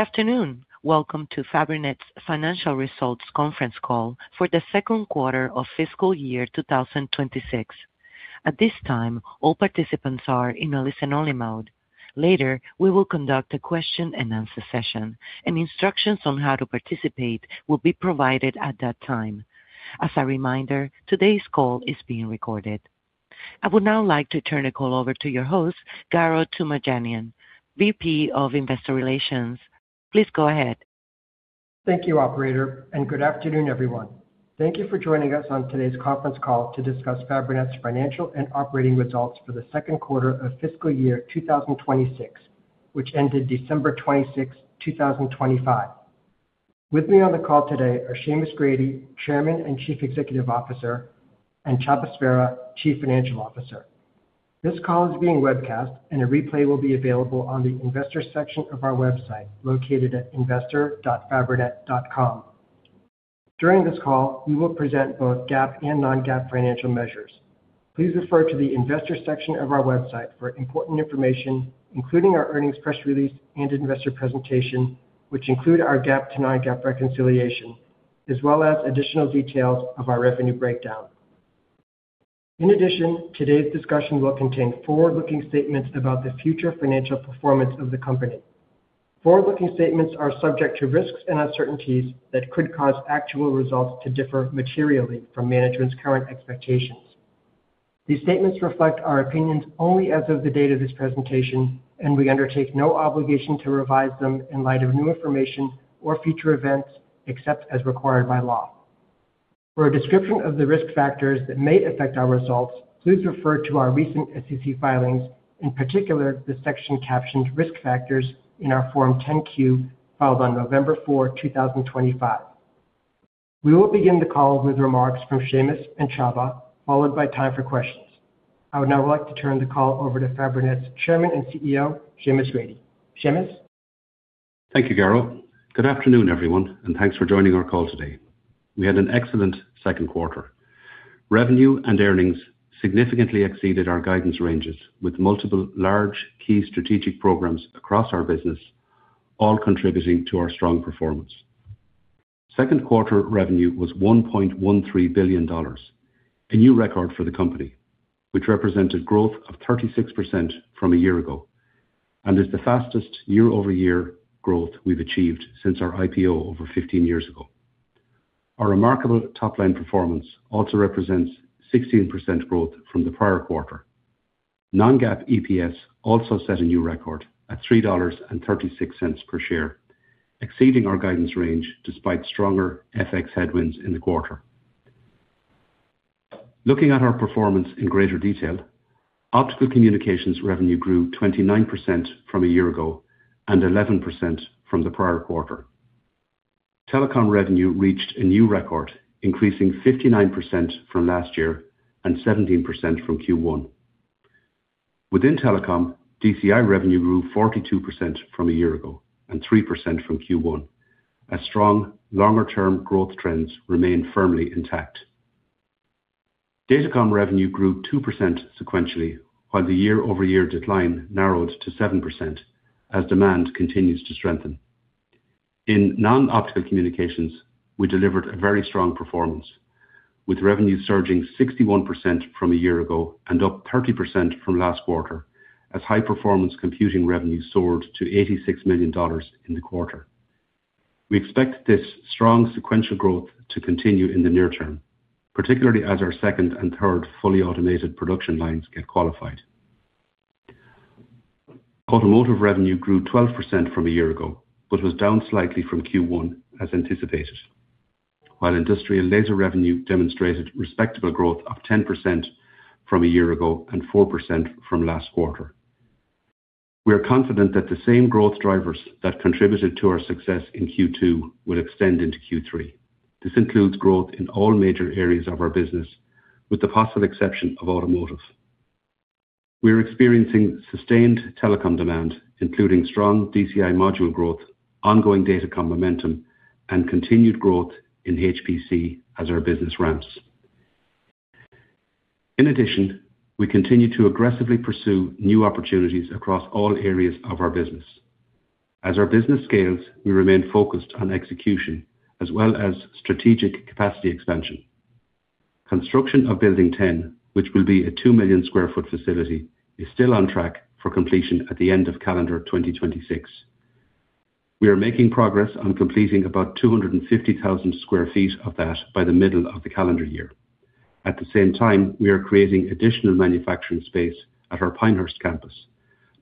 Afternoon. Welcome to Fabrinet's financial results conference call for the second quarter of fiscal year 2026. At this time, all participants are in a listen-only mode. Later, we will conduct a question-and-answer session, and instructions on how to participate will be provided at that time. As a reminder, today's call is being recorded. I would now like to turn the call over to your host, Garo Toomajanian, VP of Investor Relations. Please go ahead. Thank you, Operator, and good afternoon, everyone. Thank you for joining us on today's conference call to discuss Fabrinet's financial and operating results for the second quarter of fiscal year 2026, which ended December 26, 2025. With me on the call today are Seamus Grady, Chairman and Chief Executive Officer, and Csaba Sverha, Chief Financial Officer. This call is being webcast, and a replay will be available on the Investor section of our website located at investor.fabrinet.com. During this call, we will present both GAAP and non-GAAP financial measures. Please refer to the Investor section of our website for important information, including our earnings press release and investor presentation, which include our GAAP to non-GAAP reconciliation, as well as additional details of our revenue breakdown. In addition, today's discussion will contain forward-looking statements about the future financial performance of the company. Forward-looking statements are subject to risks and uncertainties that could cause actual results to differ materially from management's current expectations. These statements reflect our opinions only as of the date of this presentation, and we undertake no obligation to revise them in light of new information or future events except as required by law. For a description of the risk factors that may affect our results, please refer to our recent SEC filings, in particular the section captioned "Risk Factors" in our Form 10-Q filed on November 4, 2025. We will begin the call with remarks from Seamus and Csaba, followed by time for questions. I would now like to turn the call over to Fabrinet's Chairman and CEO, Seamus Grady. Seamus? Thank you, Garo. Good afternoon, everyone, and thanks for joining our call today. We had an excellent second quarter. Revenue and earnings significantly exceeded our guidance ranges, with multiple large, key strategic programs across our business all contributing to our strong performance. Second quarter revenue was $1.13 billion, a new record for the company, which represented growth of 36% from a year ago and is the fastest year-over-year growth we've achieved since our IPO over 15 years ago. Our remarkable top-line performance also represents 16% growth from the prior quarter. Non-GAAP EPS also set a new record at $3.36 per share, exceeding our guidance range despite stronger FX headwinds in the quarter. Looking at our performance in greater detail, Optical Communications revenue grew 29% from a year ago and 11% from the prior quarter. Telecom revenue reached a new record, increasing 59% from last year and 17% from Q1. Within telecom, DCI revenue grew 42% from a year ago and 3% from Q1, as strong, longer-term growth trends remain firmly intact. Datacom revenue grew 2% sequentially, while the year-over-year decline narrowed to 7% as demand continues to strengthen. In non-optical communications, we delivered a very strong performance, with revenue surging 61% from a year ago and up 30% from last quarter as high-performance computing revenue soared to $86 million in the quarter. We expect this strong sequential growth to continue in the near term, particularly as our second and third fully automated production lines get qualified. Automotive revenue grew 12% from a year ago but was down slightly from Q1 as anticipated, while industrial laser revenue demonstrated respectable growth of 10% from a year ago and 4% from last quarter. We are confident that the same growth drivers that contributed to our success in Q2 will extend into Q3. This includes growth in all major areas of our business, with the possible exception of automotive. We are experiencing sustained telecom demand, including strong DCI module growth, ongoing Datacom momentum, and continued growth in HPC as our business ramps. In addition, we continue to aggressively pursue new opportunities across all areas of our business. As our business scales, we remain focused on execution as well as strategic capacity expansion. Construction of Building 10, which will be a 2,000,000 sq ft facility, is still on track for completion at the end of calendar 2026. We are making progress on completing about 250,000 sq ft of that by the middle of the calendar year. At the same time, we are creating additional manufacturing space at our Pinehurst campus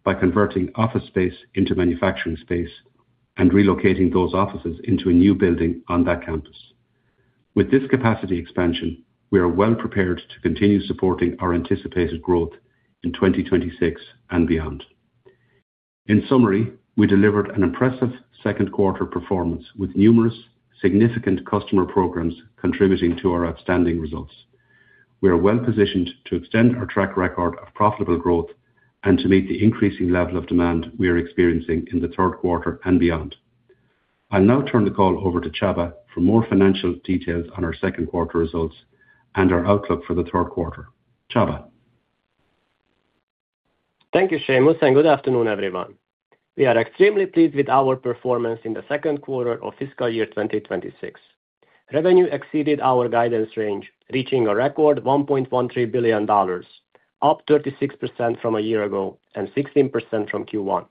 by converting office space into manufacturing space and relocating those offices into a new building on that campus. With this capacity expansion, we are well prepared to continue supporting our anticipated growth in 2026 and beyond. In summary, we delivered an impressive second quarter performance with numerous, significant customer programs contributing to our outstanding results. We are well positioned to extend our track record of profitable growth and to meet the increasing level of demand we are experiencing in the third quarter and beyond. I'll now turn the call over to Csaba for more financial details on our second quarter results and our outlook for the third quarter. Csaba? Thank you, Seamus, and good afternoon, everyone. We are extremely pleased with our performance in the second quarter of fiscal year 2026. Revenue exceeded our guidance range, reaching a record $1.13 billion, up 36% from a year ago and 16% from Q1.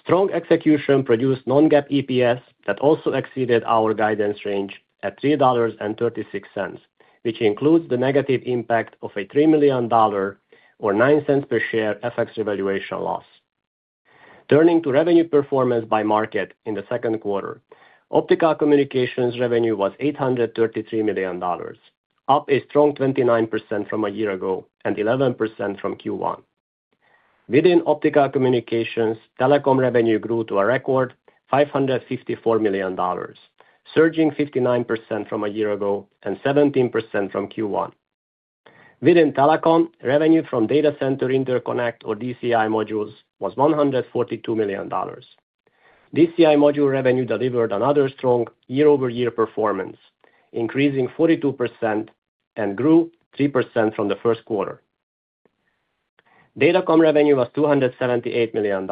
Strong execution produced non-GAAP EPS that also exceeded our guidance range at $3.36, which includes the negative impact of a $3 million or $0.09 per share FX revaluation loss. Turning to revenue performance by market in the second quarter, optical communications revenue was $833 million, up a strong 29% from a year ago and 11% from Q1. Within optical communications, telecom revenue grew to a record $554 million, surging 59% from a year ago and 17% from Q1. Within telecom, revenue from data center interconnect or DCI modules was $142 million. DCI module revenue delivered another strong year-over-year performance, increasing 42% and grew 3% from the first quarter. Datacom revenue was $278 million.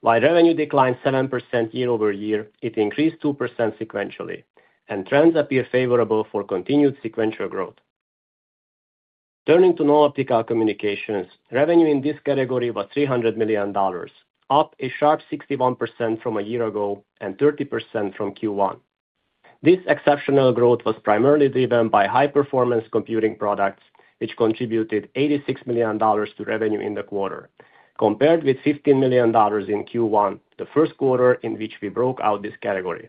While revenue declined 7% year-over-year, it increased 2% sequentially, and trends appear favorable for continued sequential growth. Turning to Non-Optical Communications, revenue in this category was $300 million, up a sharp 61% from a year ago and 30% from Q1. This exceptional growth was primarily driven by high-performance computing products, which contributed $86 million to revenue in the quarter, compared with $15 million in Q1, the first quarter in which we broke out this category.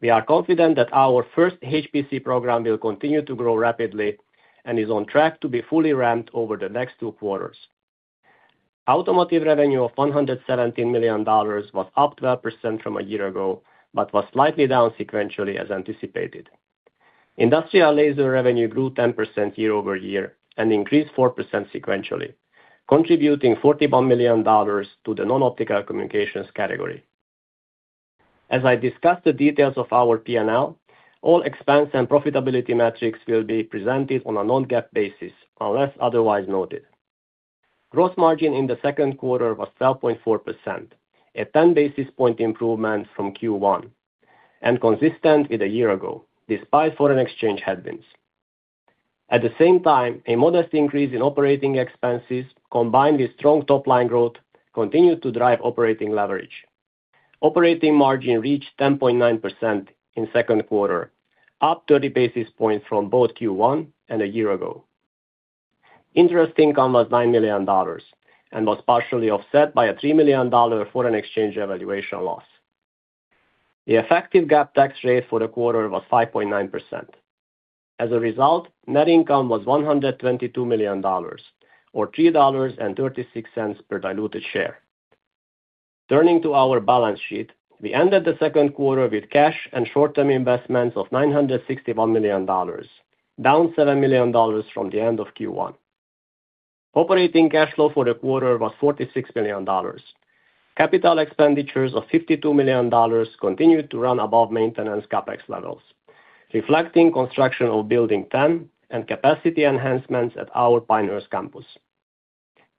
We are confident that our first HPC program will continue to grow rapidly and is on track to be fully ramped over the next two quarters. Automotive revenue of $117 million was up 12% from a year ago but was slightly down sequentially as anticipated. Industrial Laser revenue grew 10% year-over-year and increased 4% sequentially, contributing $41 million to the Non-Optical Communications category. As I discussed the details of our P&L, all expense and profitability metrics will be presented on a non-GAAP basis unless otherwise noted. Gross margin in the second quarter was 12.4%, a 10 basis point improvement from Q1, and consistent with a year ago despite foreign exchange headwinds. At the same time, a modest increase in operating expenses combined with strong top-line growth continued to drive operating leverage. Operating margin reached 10.9% in second quarter, up 30 basis points from both Q1 and a year ago. Interest income was $9 million and was partially offset by a $3 million foreign exchange revaluation loss. The effective GAAP tax rate for the quarter was 5.9%. As a result, net income was $122 million or $3.36 per diluted share. Turning to our balance sheet, we ended the second quarter with cash and short-term investments of $961 million, down $7 million from the end of Q1. Operating cash flow for the quarter was $46 million. Capital expenditures of $52 million continued to run above maintenance CapEx levels, reflecting construction of Building 10 and capacity enhancements at our Pinehurst campus.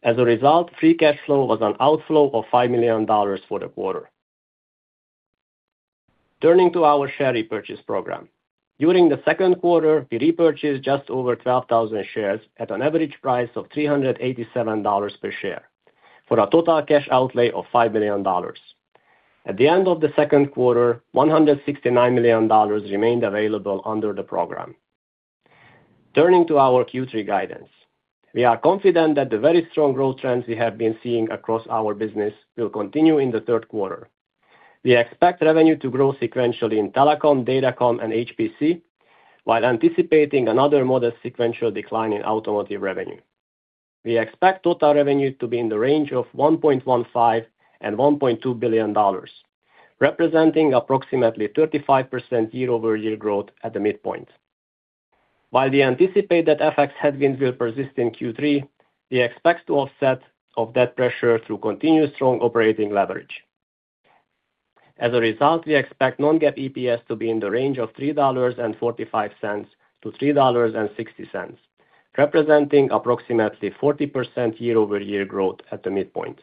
As a result, free cash flow was an outflow of $5 million for the quarter. Turning to our share repurchase program. During the second quarter, we repurchased just over 12,000 shares at an average price of $387 per share for a total cash outlay of $5 million. At the end of the second quarter, $169 million remained available under the program. Turning to our Q3 guidance, we are confident that the very strong growth trends we have been seeing across our business will continue in the third quarter. We expect revenue to grow sequentially in telecom, Datacom, and HPC while anticipating another modest sequential decline in automotive revenue. We expect total revenue to be in the range of $1.15 billion-$1.2 billion, representing approximately 35% year-over-year growth at the midpoint. While the anticipated FX headwinds will persist in Q3, we expect to offset that pressure through continued strong operating leverage. As a result, we expect non-GAAP EPS to be in the range of $3.45-$3.60, representing approximately 40% year-over-year growth at the midpoint.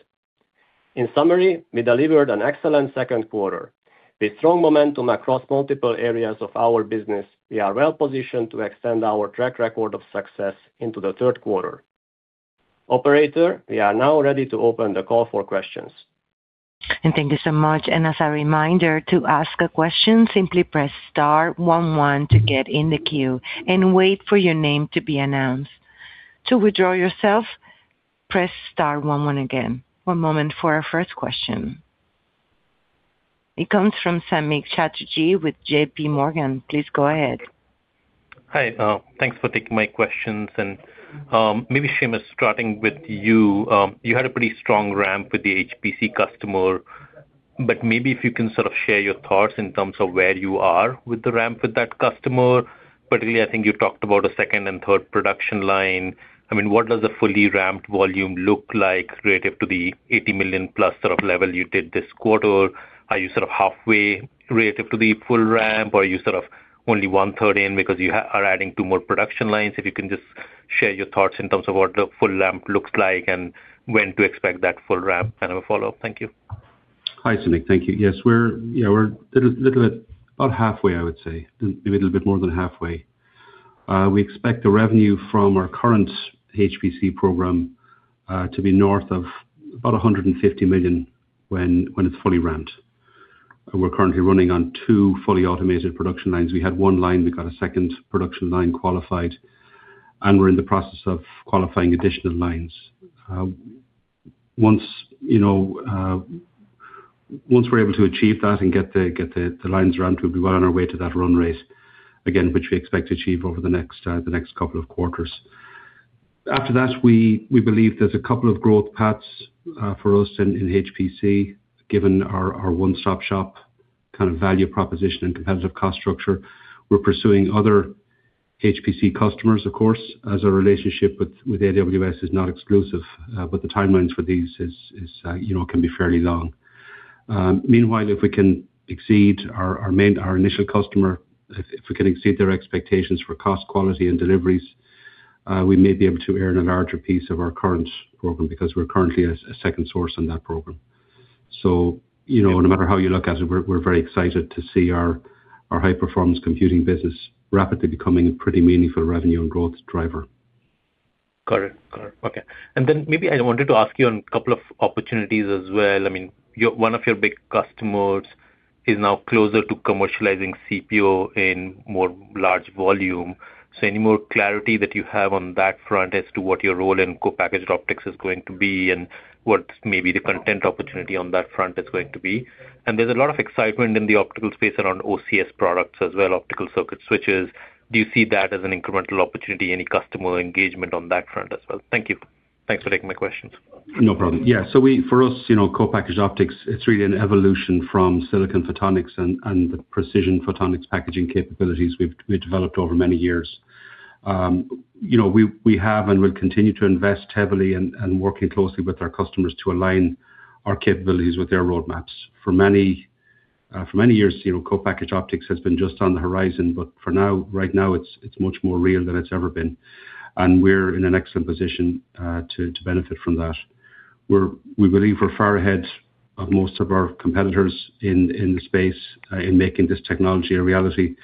In summary, we delivered an excellent second quarter. With strong momentum across multiple areas of our business, we are well positioned to extend our track record of success into the third quarter. Operator, we are now ready to open the call for questions. Thank you so much. As a reminder, to ask a question, simply press star one one to get in the queue and wait for your name to be announced. To withdraw yourself, press star one one again. One moment for our first question. It comes from Samik Chatterjee with JPMorgan. Please go ahead. Hi. Thanks for taking my questions. And maybe, Seamus, starting with you, you had a pretty strong ramp with the HPC customer. But maybe if you can sort of share your thoughts in terms of where you are with the ramp with that customer. Particularly, I think you talked about a second and third production line. I mean, what does a fully ramped volume look like relative to the $80 million+ level you did this quarter? Are you sort of halfway relative to the full ramp, or are you sort of only one-third in because you are adding two more production lines? If you can just share your thoughts in terms of what the full ramp looks like and when to expect that full ramp, kind of a follow-up. Thank you. Hi, Samik. Thank you. Yes, we're a little bit about halfway, I would say, maybe a little bit more than halfway. We expect the revenue from our current HPC program to be north of about $150 million when it's fully ramped. We're currently running on two fully automated production lines. We had one line. We got a second production line qualified, and we're in the process of qualifying additional lines. Once we're able to achieve that and get the lines ramped, we'll be well on our way to that run rate, again, which we expect to achieve over the next couple of quarters. After that, we believe there's a couple of growth paths for us in HPC, given our one-stop shop kind of value proposition and competitive cost structure. We're pursuing other HPC customers, of course, as our relationship with AWS is not exclusive, but the timelines for these can be fairly long. Meanwhile, if we can exceed our initial customer, if we can exceed their expectations for cost, quality, and deliveries, we may be able to earn in a larger piece of our current program because we're currently a second source on that program. So no matter how you look at it, we're very excited to see our high-performance computing business rapidly becoming a pretty meaningful revenue and growth driver. Got it. Got it. Okay. And then maybe I wanted to ask you on a couple of opportunities as well. I mean, one of your big customers is now closer to commercializing CPO in more large volume. So any more clarity that you have on that front as to what your role in co-packaged optics is going to be and what maybe the content opportunity on that front is going to be? And there's a lot of excitement in the optical space around OCS products as well, optical circuit switches. Do you see that as an incremental opportunity, any customer engagement on that front as well? Thank you. Thanks for taking my questions. No problem. Yeah. So for us, co-packaged optics, it's really an evolution from silicon photonics and the precision photonics packaging capabilities we've developed over many years. We have and will continue to invest heavily and working closely with our customers to align our capabilities with their roadmaps. For many years, co-packaged optics has been just on the horizon, but right now, it's much more real than it's ever been. And we're in an excellent position to benefit from that. We believe we're far ahead of most of our competitors in the space in making this technology a reality.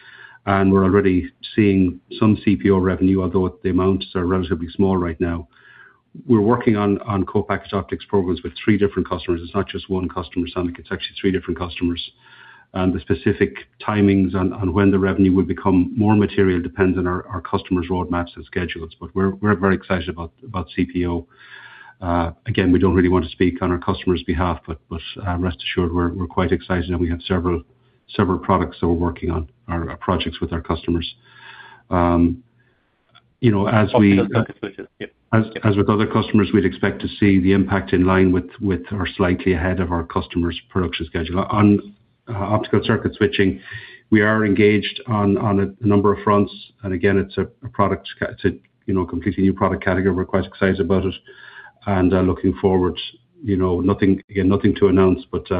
And we're already seeing some CPO revenue, although the amounts are relatively small right now. We're working on co-packaged optics programs with three different customers. It's not just one customer, Samik. It's actually three different customers. The specific timings on when the revenue would become more material depends on our customers' roadmaps and schedules. But we're very excited about CPO. Again, we don't really want to speak on our customers' behalf, but rest assured, we're quite excited, and we have several products that we're working on, our projects with our customers. As we. Optical circuit switches. Yeah. As with other customers, we'd expect to see the impact in line with or slightly ahead of our customers' production schedule. On optical circuit switching, we are engaged on a number of fronts. And again, it's a completely new product category. We're quite excited about it and looking forward. Again, nothing to announce, but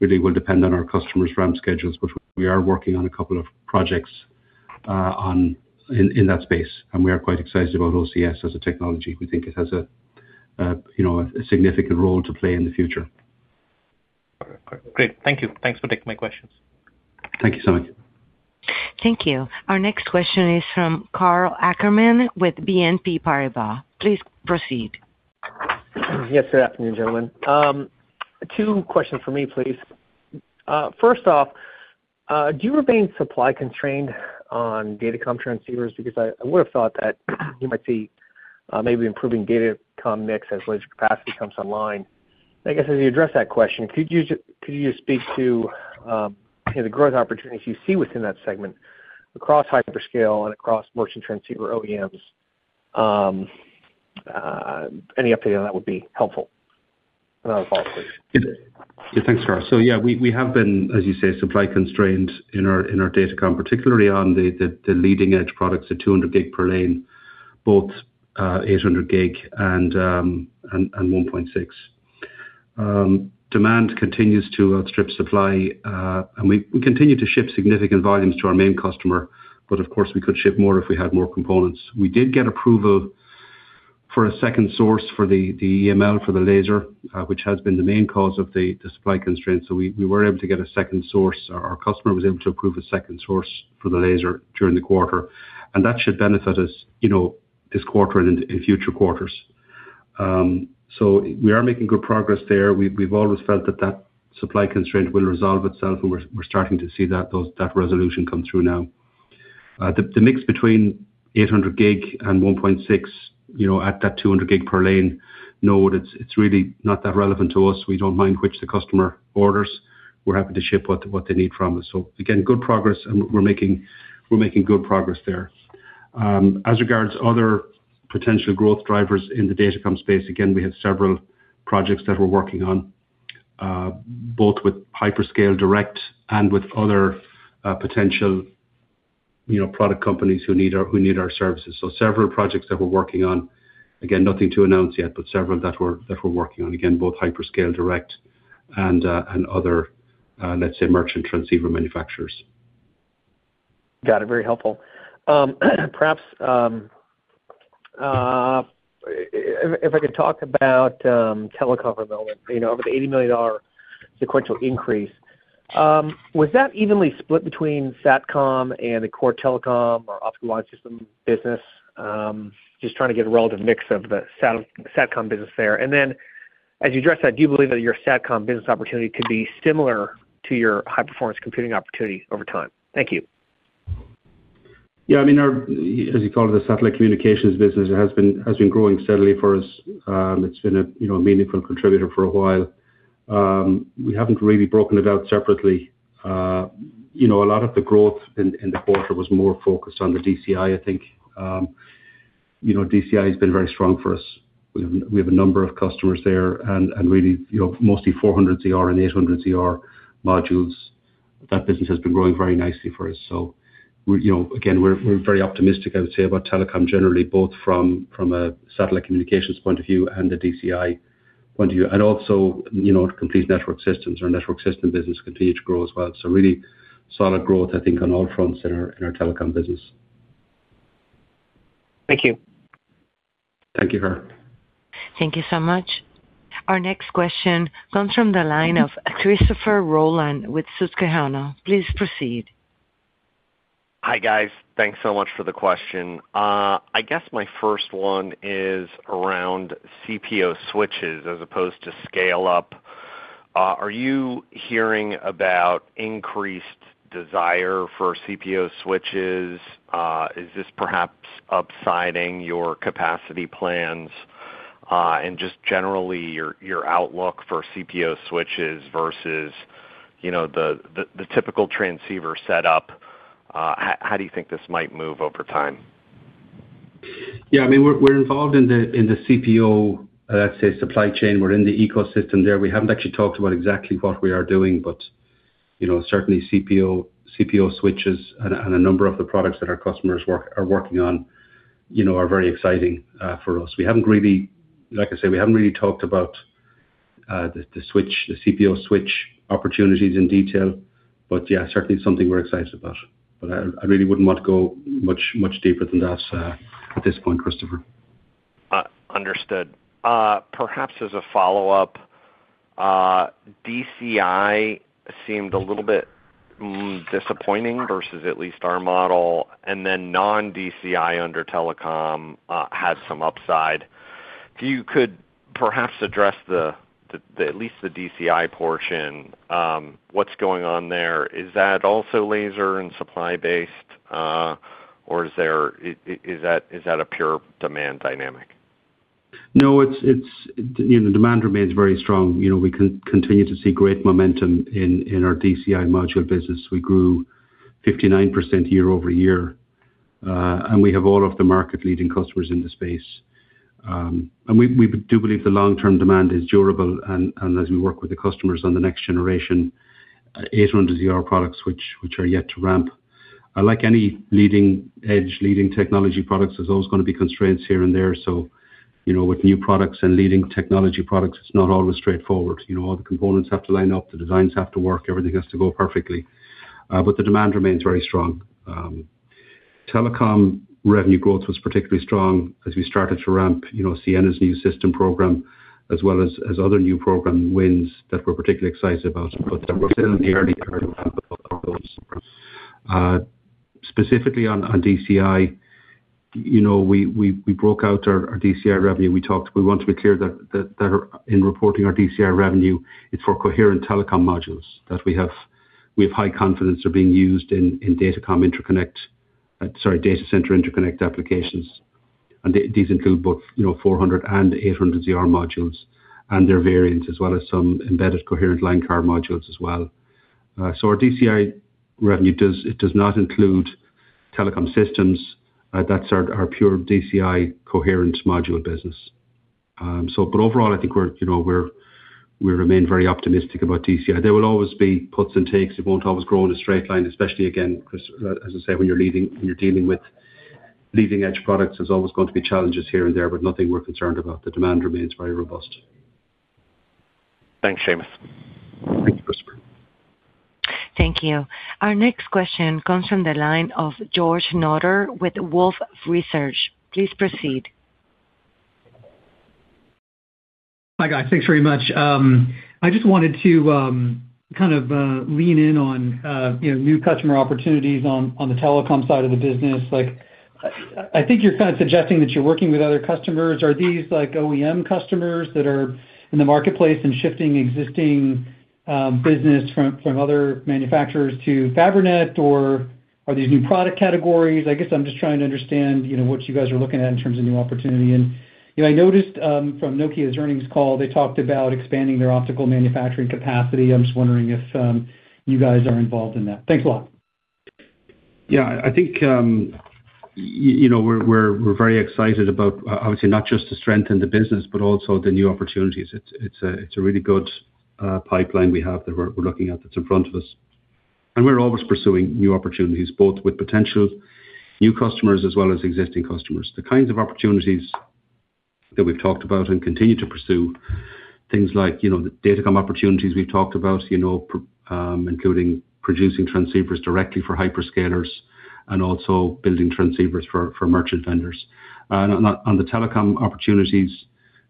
really will depend on our customers' ramp schedules. But we are working on a couple of projects in that space, and we are quite excited about OCS as a technology. We think it has a significant role to play in the future. Great. Thank you. Thanks for taking my questions. Thank you, Samik. Thank you. Our next question is from Karl Ackerman with BNP Paribas. Please proceed. Yes, good afternoon, gentlemen. Two questions for me, please. First off, do you remain supply-constrained on Datacom transceivers? Because I would have thought that you might see maybe improving Datacom mix as laser capacity comes online. I guess as you address that question, could you just speak to the growth opportunities you see within that segment across hyperscale and across merchant transceiver OEMs? Any update on that would be helpful. Another follow-up, please. Yeah. Thanks, Karl. So yeah, we have been, as you say, supply-constrained in our Datacom, particularly on the leading-edge products, the 200 Gb per lane, both 800 Gb and 1.6 Tb. Demand continues to outstrip supply, and we continue to ship significant volumes to our main customer. But of course, we could ship more if we had more components. We did get approval for a second source for the EML for the laser, which has been the main cause of the supply constraints. So we were able to get a second source. Our customer was able to approve a second source for the laser during the quarter, and that should benefit us this quarter and in future quarters. So we are making good progress there. We've always felt that that supply constraint will resolve itself, and we're starting to see that resolution come through now. The mix between 800 Gb and 1.6 Tb at that 200 Gb per lane node, it's really not that relevant to us. We don't mind which the customer orders. We're happy to ship what they need from us. So again, good progress, and we're making good progress there. As regards to other potential growth drivers in the Datacom space, again, we have several projects that we're working on, both with hyperscale direct and with other potential product companies who need our services. So several projects that we're working on. Again, nothing to announce yet, but several that we're working on, again, both hyperscale direct and other, let's say, merchant transceiver manufacturers. Got it. Very helpful. Perhaps if I could talk about telecom for a moment, over the $80 million sequential increase, was that evenly split between satcom and the core telecom or optical line system business? Just trying to get a relative mix of the satcom business there. And then as you address that, do you believe that your satcom business opportunity could be similar to your high-performance computing opportunity over time? Thank you. Yeah. I mean, as you call it, the satellite communications business has been growing steadily for us. It's been a meaningful contributor for a while. We haven't really broken it out separately. A lot of the growth in the quarter was more focused on the DCI, I think. DCI has been very strong for us. We have a number of customers there and really mostly 400ZR and 800ZR modules. That business has been growing very nicely for us. So again, we're very optimistic, I would say, about Telecom generally, both from a satellite communications point of view and a DCI point of view. And also, complete network systems. Our network system business continued to grow as well. So really solid growth, I think, on all fronts in our Telecom business. Thank you. Thank you, Karl. Thank you so much. Our next question comes from the line of Christopher Rolland with Susquehanna. Please proceed. Hi, guys. Thanks so much for the question. I guess my first one is around CPO switches as opposed to scale up. Are you hearing about increased desire for CPO switches? Is this perhaps upsiding your capacity plans and just generally your outlook for CPO switches versus the typical transceiver setup? How do you think this might move over time? Yeah. I mean, we're involved in the CPO, let's say, supply chain. We're in the ecosystem there. We haven't actually talked about exactly what we are doing, but certainly, CPO switches and a number of the products that our customers are working on are very exciting for us. Like I say, we haven't really talked about the CPO switch opportunities in detail, but yeah, certainly something we're excited about. But I really wouldn't want to go much deeper than that at this point, Christopher. Understood. Perhaps as a follow-up, DCI seemed a little bit disappointing versus at least our model, and then non-DCI under telecom had some upside. If you could perhaps address at least the DCI portion, what's going on there? Is that also laser and supply-based, or is that a pure demand dynamic? No, the demand remains very strong. We continue to see great momentum in our DCI module business. We grew 59% year-over-year, and we have all of the market-leading customers in the space. And we do believe the long-term demand is durable. And as we work with the customers on the next generation, 800ZR products, which are yet to ramp, like any leading-edge, leading technology products, there's always going to be constraints here and there. So with new products and leading technology products, it's not always straightforward. All the components have to line up. The designs have to work. Everything has to go perfectly. But the demand remains very strong. Telecom revenue growth was particularly strong as we started to ramp Ciena's new system program as well as other new program wins that we're particularly excited about. But we're still in the early, early ramp of those. Specifically on DCI, we broke out our DCI revenue. We want to be clear that in reporting our DCI revenue, it's for coherent telecom modules that we have high confidence are being used in data center interconnect applications. These include both 400ZR and 800ZR modules and their variants as well as some embedded coherent line card modules as well. Our DCI revenue, it does not include telecom systems. That's our pure DCI coherent module business. Overall, I think we remain very optimistic about DCI. There will always be puts and takes. It won't always grow in a straight line, especially, again, as I say, when you're dealing with leading-edge products. There's always going to be challenges here and there, but nothing we're concerned about. The demand remains very robust. Thanks, Seamus. Thank you, Christopher. Thank you. Our next question comes from the line of George Notter with Wolfe Research. Please proceed. Hi, guys. Thanks very much. I just wanted to kind of lean in on new customer opportunities on the telecom side of the business. I think you're kind of suggesting that you're working with other customers. Are these OEM customers that are in the marketplace and shifting existing business from other manufacturers to Fabrinet, or are these new product categories? I guess I'm just trying to understand what you guys are looking at in terms of new opportunity. And I noticed from Nokia's earnings call, they talked about expanding their optical manufacturing capacity. I'm just wondering if you guys are involved in that. Thanks a lot. Yeah. I think we're very excited about, obviously, not just to strengthen the business but also the new opportunities. It's a really good pipeline we have that we're looking at that's in front of us. And we're always pursuing new opportunities, both with potential new customers as well as existing customers. The kinds of opportunities that we've talked about and continue to pursue, things like the Datacom opportunities we've talked about, including producing transceivers directly for hyperscalers and also building transceivers for merchant vendors. And on the telecom opportunities,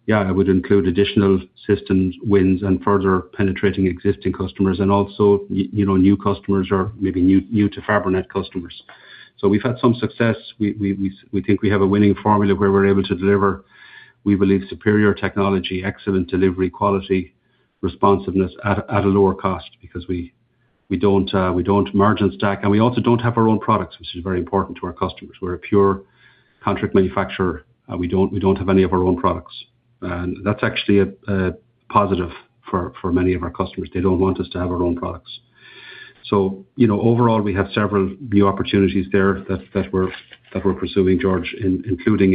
yeah, I would include additional systems wins and further penetrating existing customers. And also, new customers are maybe new to Fabrinet customers. So we've had some success. We think we have a winning formula where we're able to deliver, we believe, superior technology, excellent delivery quality, responsiveness at a lower cost because we don't merge and stack. We also don't have our own products, which is very important to our customers. We're a pure contract manufacturer. We don't have any of our own products. That's actually a positive for many of our customers. They don't want us to have our own products. So overall, we have several new opportunities there that we're pursuing, George, including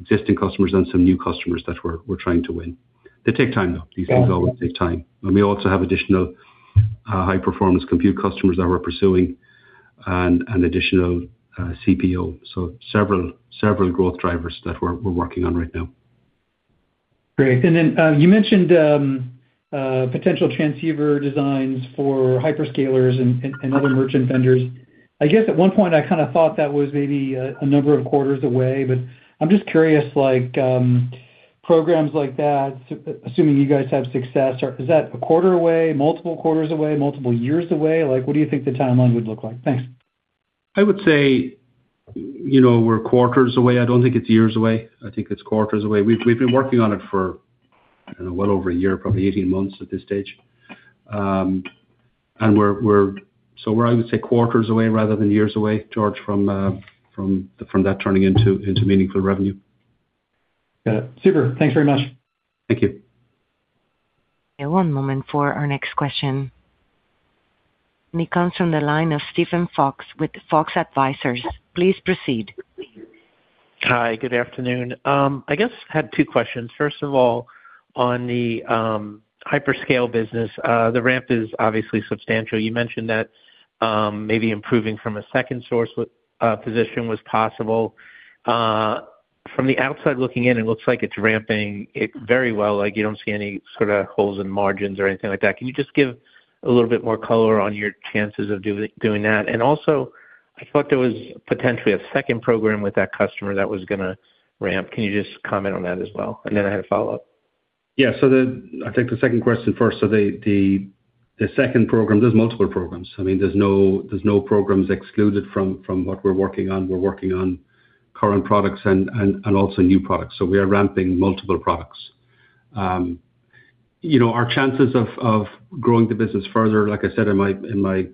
existing customers and some new customers that we're trying to win. They take time, though. These things always take time. We also have additional high-performance compute customers that we're pursuing and additional CPO. So several growth drivers that we're working on right now. Great. And then you mentioned potential transceiver designs for hyperscalers and other merchant vendors. I guess at one point, I kind of thought that was maybe a number of quarters away, but I'm just curious, programs like that, assuming you guys have success, is that a quarter away, multiple quarters away, multiple years away? What do you think the timeline would look like? Thanks. I would say we're quarters away. I don't think it's years away. I think it's quarters away. We've been working on it for, I don't know, well over a year, probably 18 months at this stage. And so we're, I would say, quarters away rather than years away, George, from that turning into meaningful revenue. Got it. Super. Thanks very much. Thank you. Okay. One moment for our next question. It comes from the line of Steven Fox with Fox Advisors. Please proceed. Hi. Good afternoon. I guess I had two questions. First of all, on the hyperscale business, the ramp is obviously substantial. You mentioned that maybe improving from a second source position was possible. From the outside looking in, it looks like it's ramping very well. You don't see any sort of holes in margins or anything like that. Can you just give a little bit more color on your chances of doing that? And also, I thought there was potentially a second program with that customer that was going to ramp. Can you just comment on that as well? And then I had a follow-up. Yeah. So I'll take the second question first. So the second program, there's multiple programs. I mean, there's no programs excluded from what we're working on. We're working on current products and also new products. So we are ramping multiple products. Our chances of growing the business further, like I said in my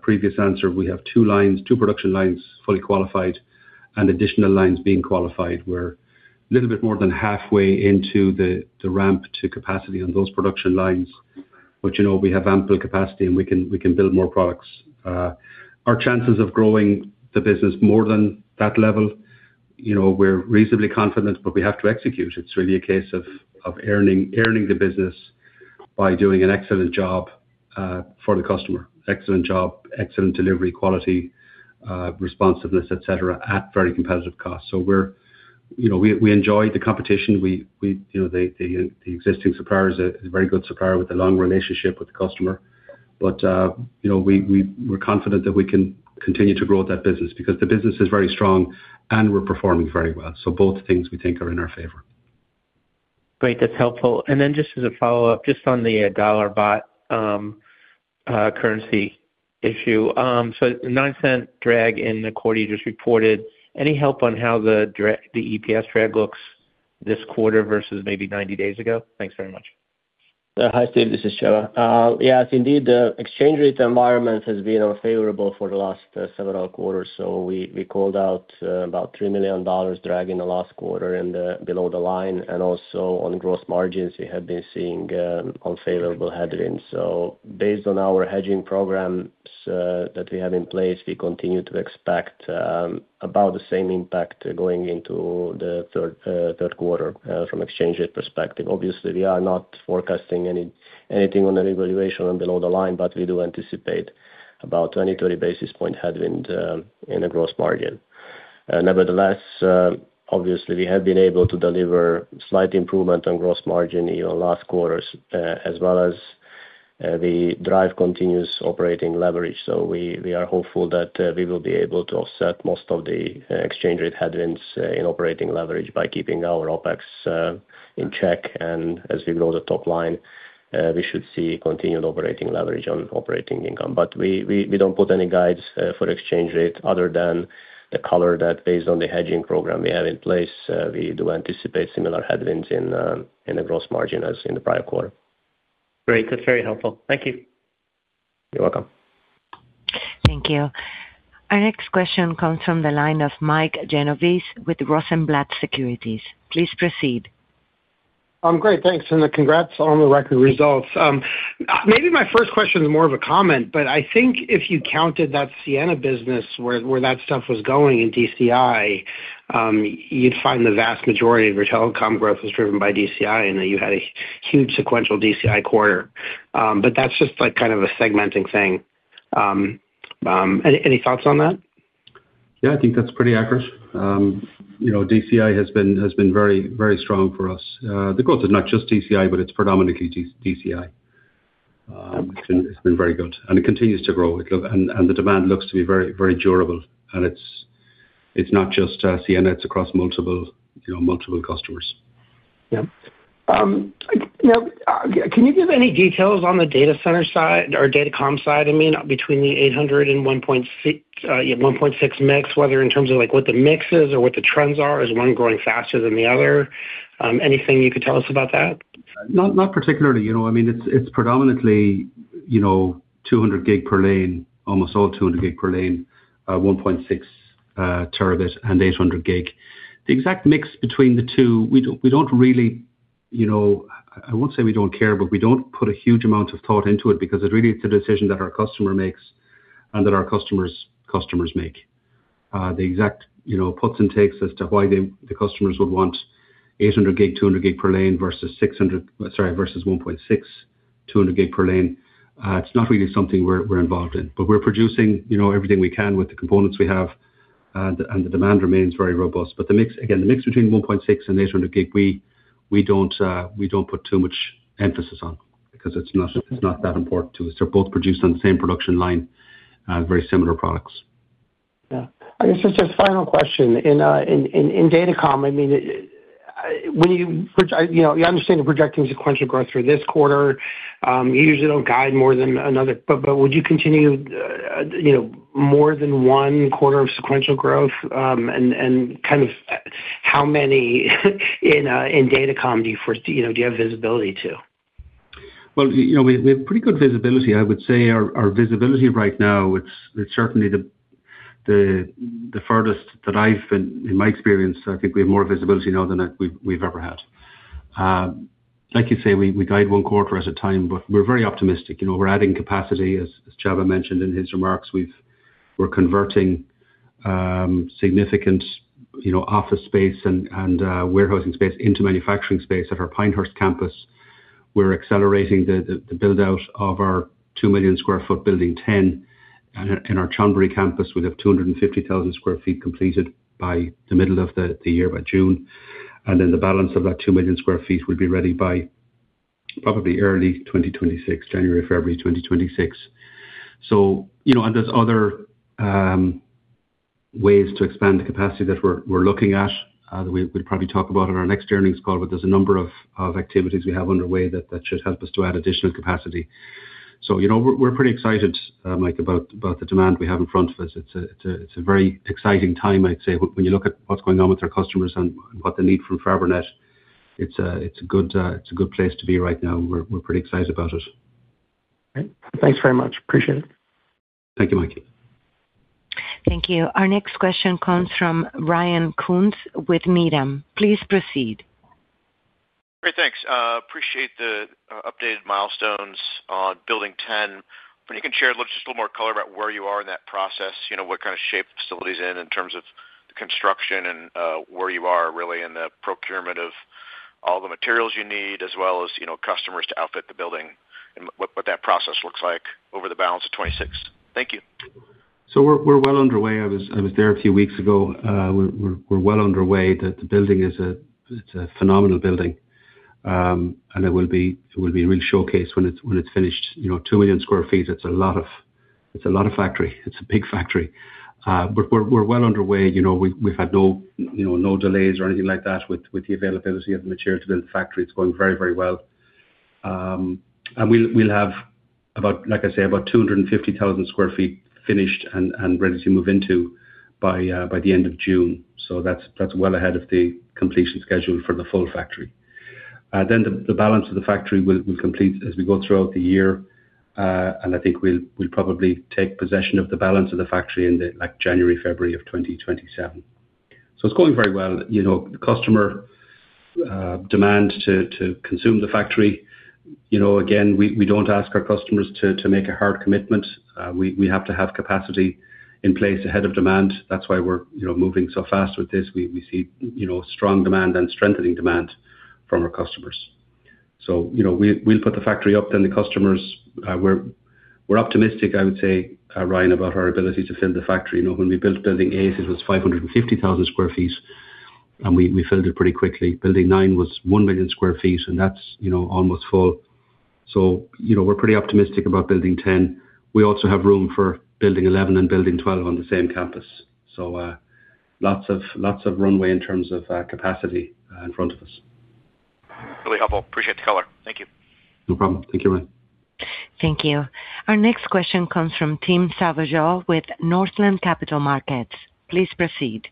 previous answer, we have two production lines fully qualified and additional lines being qualified. We're a little bit more than halfway into the ramp to capacity on those production lines, but we have ample capacity, and we can build more products. Our chances of growing the business more than that level, we're reasonably confident, but we have to execute. It's really a case of earning the business by doing an excellent job for the customer, excellent job, excellent delivery quality, responsiveness, etc., at very competitive costs. So we enjoy the competition. The existing supplier is a very good supplier with a long relationship with the customer. We're confident that we can continue to grow that business because the business is very strong, and we're performing very well. Both things, we think, are in our favor. Great. That's helpful. And then just as a follow-up, just on the dollar/baht currency issue, so $0.09 drag in the quarter you just reported. Any help on how the EPS drag looks this quarter versus maybe 90 days ago? Thanks very much. Hi, Steve. This is Csaba. Yeah. Indeed, the exchange rate environment has been unfavorable for the last several quarters. We called out about $3 million drag in the last quarter and below the line. Also on gross margins, we have been seeing unfavorable headwinds. Based on our hedging programs that we have in place, we continue to expect about the same impact going into the third quarter from exchange rate perspective. Obviously, we are not forecasting anything on a revaluation and below the line, but we do anticipate about 20-30 basis point headwind in a gross margin. Nevertheless, obviously, we have been able to deliver slight improvement on gross margin even last quarters as well as we drive continuous operating leverage. We are hopeful that we will be able to offset most of the exchange rate headwinds in operating leverage by keeping our OpEx in check. As we grow the top line, we should see continued operating leverage on operating income. We don't put any guides for exchange rate other than the color that based on the hedging program we have in place, we do anticipate similar headwinds in the gross margin as in the prior quarter. Great. That's very helpful. Thank you. You're welcome. Thank you. Our next question comes from the line of Mike Genovese with Rosenblatt Securities. Please proceed. Great. Thanks. Congrats on the record results. Maybe my first question is more of a comment, but I think if you counted that Ciena business where that stuff was going in DCI, you'd find the vast majority of your telecom growth was driven by DCI, and you had a huge sequential DCI quarter. That's just kind of a segmenting thing. Any thoughts on that? Yeah. I think that's pretty accurate. DCI has been very strong for us. The growth is not just DCI, but it's predominantly DCI. It's been very good, and it continues to grow. And the demand looks to be very durable. And it's not just Ciena. It's across multiple customers. Yeah. Can you give any details on the data center side or Datacom side, I mean, between the 800 Gb and 1.6 Tb mix, whether in terms of what the mix is or what the trends are, is one growing faster than the other? Anything you could tell us about that? Not particularly. I mean, it's predominantly 200 Gb per lane, almost all 200 Gb per lane, 1.6 Tb and 800 Gb. The exact mix between the two, we don't really. I won't say we don't care, but we don't put a huge amount of thought into it because it really is a decision that our customer makes and that our customers make. The exact puts and takes as to why the customers would want 800 Gb, 200 Gb per lane versus 600—sorry, versus 1.6 Tb—200 Gb per lane, it's not really something we're involved in. But we're producing everything we can with the components we have, and the demand remains very robust. But again, the mix between 1.6 Tb and 800 Gb, we don't put too much emphasis on because it's not that important to us. They're both produced on the same production line, very similar products. Yeah. I guess it's just final question. In Datacom, I mean, when you understand you're projecting sequential growth for this quarter, you usually don't guide more than another. But would you continue more than one quarter of sequential growth? And kind of how many in Datacom do you have visibility to? Well, we have pretty good visibility, I would say. Our visibility right now, it's certainly the furthest that I've been in my experience. I think we have more visibility now than we've ever had. Like you say, we guide one quarter at a time, but we're very optimistic. We're adding capacity. As Seamus mentioned in his remarks, we're converting significant office space and warehousing space into manufacturing space at our Pinehurst campus. We're accelerating the buildout of our 2,000,000 sq ft Building 10. And in our Chonburi campus, we have 250,000 sq ft completed by the middle of the year, by June. And then the balance of that 2,000,000 sq ft will be ready by probably early 2026, January, February 2026. And there's other ways to expand the capacity that we're looking at that we'll probably talk about in our next earnings call. But there's a number of activities we have underway that should help us to add additional capacity. So we're pretty excited, Mike, about the demand we have in front of us. It's a very exciting time, I'd say. When you look at what's going on with our customers and what they need from Fabrinet, it's a good place to be right now. We're pretty excited about it. Okay. Thanks very much. Appreciate it. Thank you, Mike. Thank you. Our next question comes from Ryan Koontz with Needham. Please proceed. Great. Thanks. Appreciate the updated milestones on Building 10. If you can share just a little more color about where you are in that process, what kind of shape the facility is in in terms of the construction and where you are really in the procurement of all the materials you need as well as customers to outfit the building and what that process looks like over the balance of 2026. Thank you. So we're well underway. I was there a few weeks ago. We're well underway. The building is a phenomenal building, and it will be a real showcase when it's finished. 2,000,000 sq ft, it's a lot of factory. It's a big factory. But we're well underway. We've had no delays or anything like that with the availability of the material to build the factory. It's going very, very well. And we'll have, like I say, about 250,000 sq ft finished and ready to move into by the end of June. So that's well ahead of the completion schedule for the full factory. Then the balance of the factory will complete as we go throughout the year. And I think we'll probably take possession of the balance of the factory in January, February of 2027. So it's going very well. Customer demand to consume the factory. Again, we don't ask our customers to make a hard commitment. We have to have capacity in place ahead of demand. That's why we're moving so fast with this. We see strong demand and strengthening demand from our customers. So we'll put the factory up. Then the customers, we're optimistic, I would say, Ryan, about our ability to fill the factory. When we built Building 8, it was 550,000 sq ft, and we filled it pretty quickly. Building 9 was 1,000,000 sq ft, and that's almost full. So we're pretty optimistic about Building 10. We also have room for Building 11 and Building 12 on the same campus. So lots of runway in terms of capacity in front of us. Really helpful. Appreciate the color. Thank you. No problem. Thank you, Ryan. Thank you. Our next question comes from Tim Savageaux with Northland Capital Markets. Please proceed.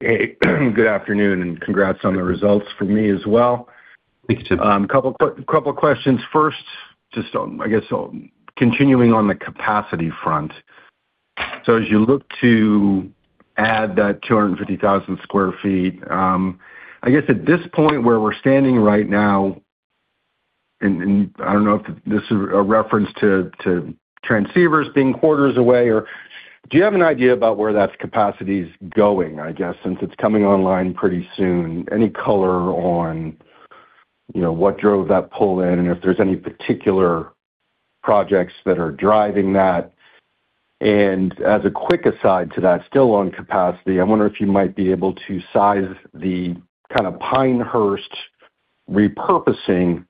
Hey. Good afternoon and congrats on the results for me as well. A couple of questions. First, just I guess continuing on the capacity front. So as you look to add that 250,000 sq ft, I guess at this point where we're standing right now, and I don't know if this is a reference to transceivers being quarters away, or do you have an idea about where that capacity is going, I guess, since it's coming online pretty soon? Any color on what drove that pull in and if there's any particular projects that are driving that? And as a quick aside to that, still on capacity, I wonder if you might be able to size the kind of Pinehurst repurposing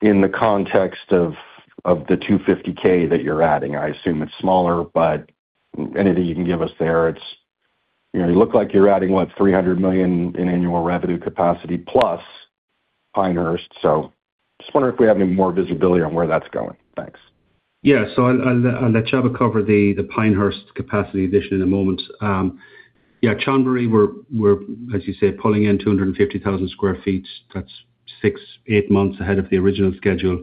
in the context of the 250,000 sq ft that you're adding. I assume it's smaller, but anything you can give us there. You look like you're adding, what, $300 million in annual revenue capacity plus Pinehurst. Just wondering if we have any more visibility on where that's going. Thanks. Yeah. So I'll let Csaba cover the Pinehurst capacity addition in a moment. Yeah. Chonburi, we're, as you say, pulling in 250,000 sq ft. That's six to eight months ahead of the original schedule.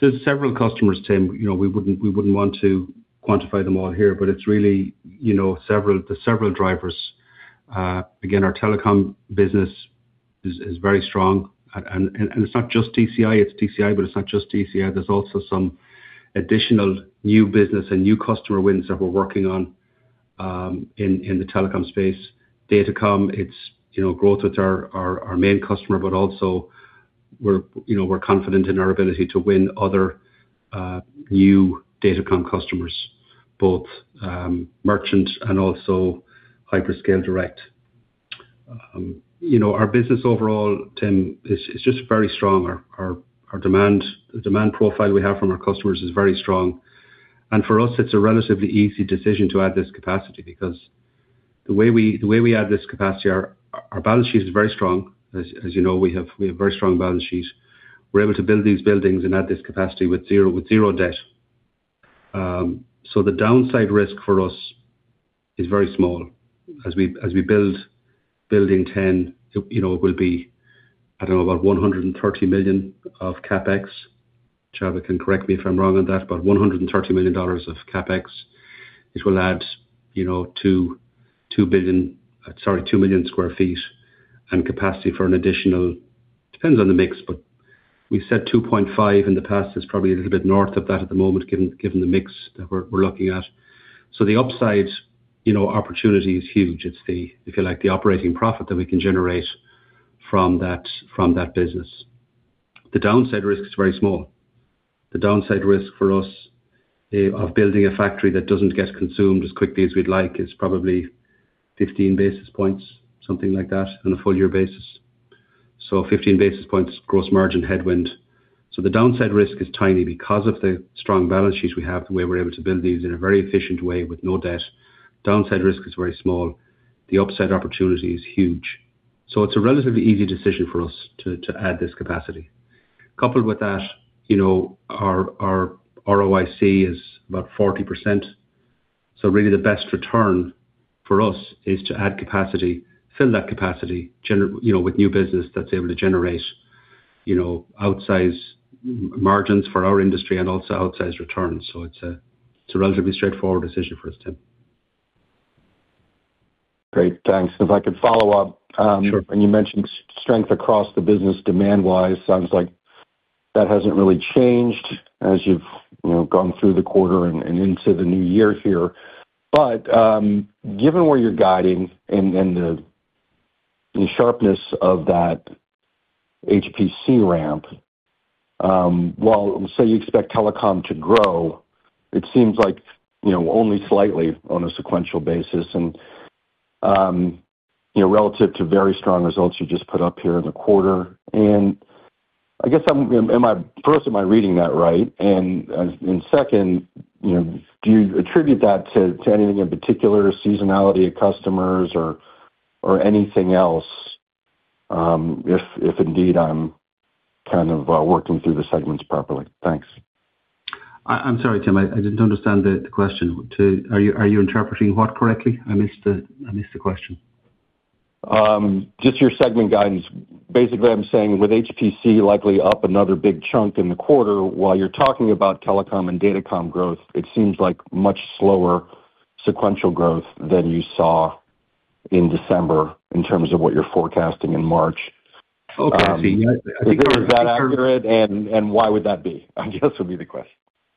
There's several customers, Tim. We wouldn't want to quantify them all here, but it's really the several drivers. Again, our telecom business is very strong. And it's not just DCI. It's DCI, but it's not just DCI. There's also some additional new business and new customer wins that we're working on in the telecom space. Datacom, it's growth with our main customer, but also we're confident in our ability to win other new Datacom customers, both merchant and also hyperscale direct. Our business overall, Tim, it's just very strong. The demand profile we have from our customers is very strong. For us, it's a relatively easy decision to add this capacity because the way we add this capacity, our balance sheet is very strong. As you know, we have a very strong balance sheet. We're able to build these buildings and add this capacity with zero debt. So the downside risk for us is very small. As we build Building 10, it will be, I don't know, about $130 million of CapEx. Seamus can correct me if I'm wrong on that, but $130 million of CapEx, which will add 2 billion sorry, 2,000,000 sq ft and capacity for an additional depends on the mix, but we said 2.5 in the past is probably a little bit north of that at the moment given the mix that we're looking at. So the upside opportunity is huge. It's, if you like, the operating profit that we can generate from that business. The downside risk is very small. The downside risk for us of building a factory that doesn't get consumed as quickly as we'd like is probably 15 basis points, something like that, on a full-year basis. So 15 basis points gross margin headwind. So the downside risk is tiny because of the strong balance sheets we have, the way we're able to build these in a very efficient way with no debt. Downside risk is very small. The upside opportunity is huge. So it's a relatively easy decision for us to add this capacity. Coupled with that, our ROIC is about 40%. So really, the best return for us is to add capacity, fill that capacity with new business that's able to generate outsize margins for our industry and also outsize returns. It's a relatively straightforward decision for us, Tim. Great. Thanks. If I could follow up, when you mentioned strength across the business demand-wise, sounds like that hasn't really changed as you've gone through the quarter and into the new year here. But given where you're guiding and the sharpness of that HPC ramp, while say you expect telecom to grow, it seems like only slightly on a sequential basis. And relative to very strong results you just put up here in the quarter. And I guess, first, am I reading that right? And second, do you attribute that to anything in particular, seasonality of customers, or anything else if indeed I'm kind of working through the segments properly? Thanks. I'm sorry, Tim. I didn't understand the question. Are you interpreting what correctly? I missed the question. Just your segment guidance. Basically, I'm saying with HPC likely up another big chunk in the quarter, while you're talking about Telecom and Datacom growth, it seems like much slower sequential growth than you saw in December in terms of what you're forecasting in March. Okay. I see. Yeah. I think. Is that accurate? And why would that be, I guess, would be the question.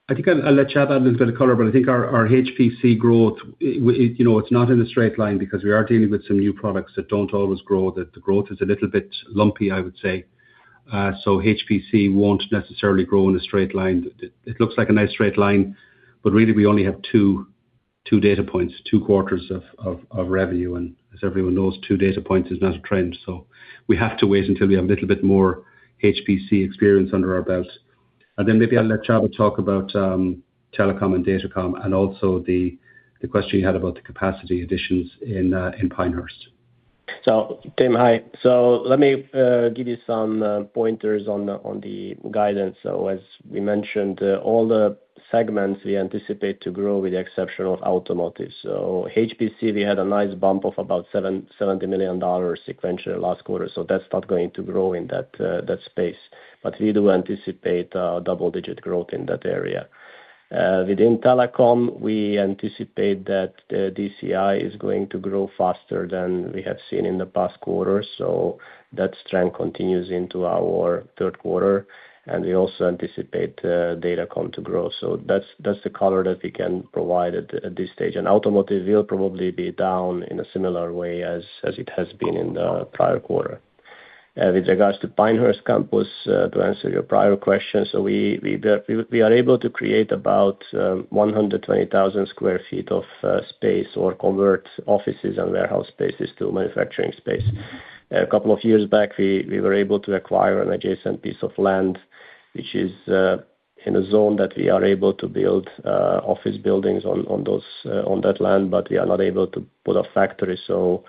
I think I'll let Csaba add a little bit of color. But I think our HPC growth, it's not in a straight line because we are dealing with some new products that don't always grow. The growth is a little bit lumpy, I would say. So HPC won't necessarily grow in a straight line. It looks like a nice straight line, but really, we only have two data points, two quarters of revenue. And as everyone knows, two data points is not a trend. So we have to wait until we have a little bit more HPC experience under our belt. And then maybe I'll let Csaba talk about Telecom and Datacom and also the question you had about the capacity additions in Pinehurst. So Tim, hi. So let me give you some pointers on the guidance. So as we mentioned, all the segments we anticipate to grow with the exception of automotive. So HPC, we had a nice bump of about $70 million sequential last quarter. So that's not going to grow in that space. But we do anticipate double-digit growth in that area. Within telecom, we anticipate that DCI is going to grow faster than we have seen in the past quarter. So that strength continues into our third quarter. And we also anticipate Datacom to grow. So that's the color that we can provide at this stage. And automotive will probably be down in a similar way as it has been in the prior quarter. With regards to Pinehurst campus, to answer your prior question, so we are able to create about 120,000 sq ft of space or convert offices and warehouse spaces to manufacturing space. A couple of years back, we were able to acquire an adjacent piece of land, which is in a zone that we are able to build office buildings on that land, but we are not able to put a factory. So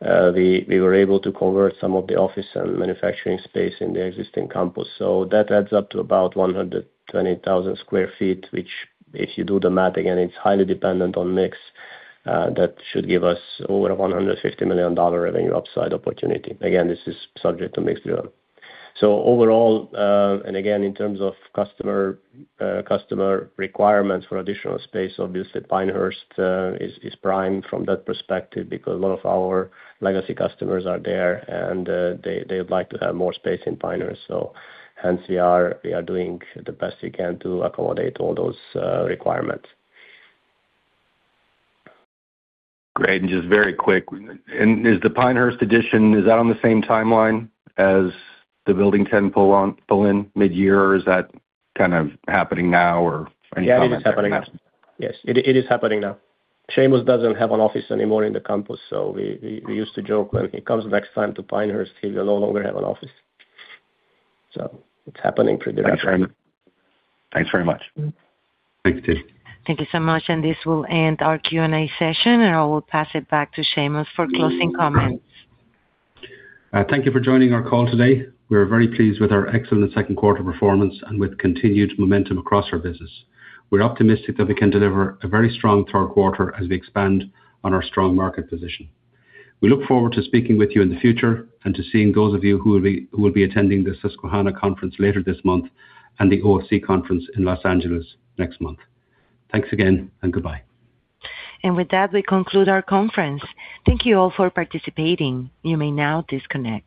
we were able to convert some of the office and manufacturing space in the existing campus. So that adds up to about 120,000 sq ft, which if you do the math again, it's highly dependent on mix. That should give us over a $150 million revenue upside opportunity. Again, this is subject to mix driven. So overall, and again, in terms of customer requirements for additional space, obviously, Pinehurst is prime from that perspective because a lot of our legacy customers are there, and they would like to have more space in Pinehurst. So hence, we are doing the best we can to accommodate all those requirements. Great. And just very quick, is the Pinehurst addition, is that on the same timeline as the Building 10 pull-in mid-year, or is that kind of happening now, or any comment on that? Yeah. It is happening now. Yes. It is happening now. Seamus doesn't have an office anymore in the campus. So we used to joke when he comes next time to Pinehurst, he will no longer have an office. So it's happening pretty rapidly. Thanks very much. Thanks, Tim. Thank you so much. This will end our Q&A session, and I will pass it back to Seamus for closing comments. Thank you for joining our call today. We are very pleased with our excellent second quarter performance and with continued momentum across our business. We're optimistic that we can deliver a very strong third quarter as we expand on our strong market position. We look forward to speaking with you in the future and to seeing those of you who will be attending the Susquehanna conference later this month and the OFC conference in Los Angeles next month. Thanks again, and goodbye. With that, we conclude our conference. Thank you all for participating. You may now disconnect.